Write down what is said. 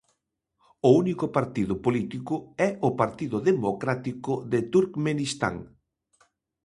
O único partido político é o Partido Democrático de Turkmenistán.